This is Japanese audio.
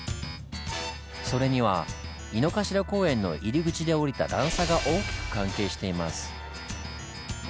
それには井の頭公園の入り口で下りた段差が大きく関係しています。